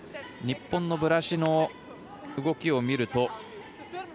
日本のブラシの動きを見ると。